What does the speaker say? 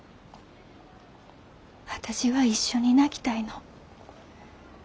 私は一緒に泣きたいの。